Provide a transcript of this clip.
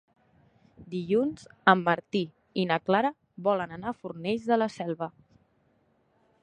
Dilluns en Martí i na Clara volen anar a Fornells de la Selva.